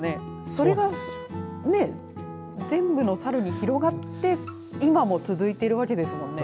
それが全部の猿に広がって今も続いているわけですもんね。